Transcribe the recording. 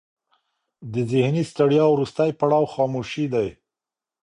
د ذهني ستړیا وروستی پړاو خاموشي دی.